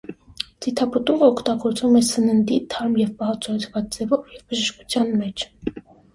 Ձիթապտուղը օգտագործվում է սննդի (թարմ և պահածոյացված ձևով) և բժշկության մեջ։